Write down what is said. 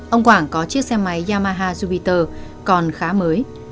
ông quảng có chiếc xe máy yamaha jupiter còn khá mới